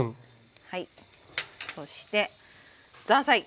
そしてザーサイ。